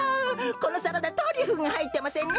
このサラダトリュフがはいってませんね！